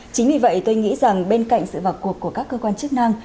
chính vì vậy tôi nghĩ rằng bên cạnh sự vào cuộc của các cơ quan chức năng